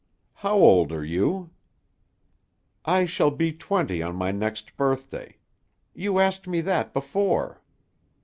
How old are you?" "I shall be twenty on my next birthday; you asked me that before."